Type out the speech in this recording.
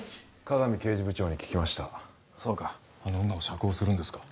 加賀見刑事部長に聞きましたそうかあの女を釈放するんですか？